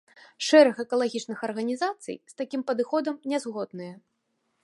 Шэраг экалагічных арганізацый з такім падыходам не згодныя.